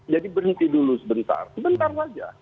jadi berhenti dulu sebentar sebentar saja